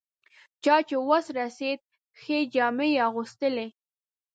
چا چې وس رسېد ښې جامې یې اغوستلې.